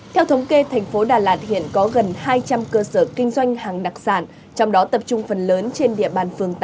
theo thống kê thành phố đà lạt hiện có gần hai trăm linh cơ sở kinh doanh hàng đặc sản trong đó tập trung phần lớn trên địa bàn phường tám